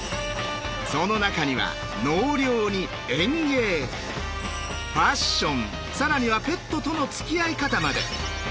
その中には納涼に園芸ファッション更にはペットとのつきあい方まで。